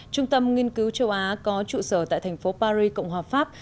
trung tâm nghiên cứu châu á có trụ sở tại thành phố paris cộng hòa pháp